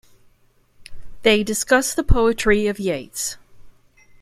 They discuss the poetry of Yeats.